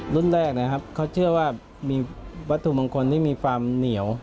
รุ่นแรกนะครับเขาเชื่อว่ามีวัตถุมงคลที่มีความเหนียว